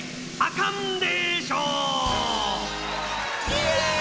イエイ！